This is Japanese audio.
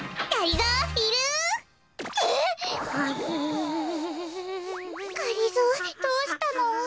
がりぞーどうしたの？